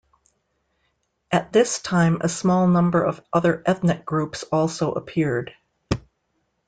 At this time a small number of other ethnic groups also appeared.